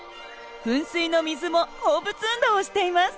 噴水の水も放物運動をしています。